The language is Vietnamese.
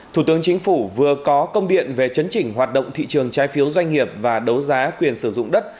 thủ tướng chính phủ vừa có công điện về chấn chỉnh hoạt động thị trường trái phiếu doanh nghiệp và đấu giá quyền sử dụng đất